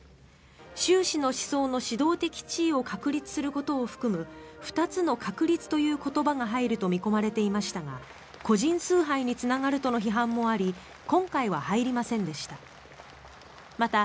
習氏の思想の指導的地位を確立することを含む二つの確立という言葉が入ると見込まれていましたが個人崇拝につながるとの批判もあり今回は入りませんでした。